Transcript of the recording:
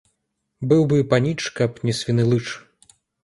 Быў бы паніч, каб не свіны лыч